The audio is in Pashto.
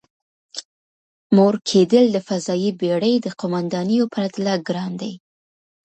مور کېدل د فضايي بېړۍ د قوماندانېدو پرتله ګران دی.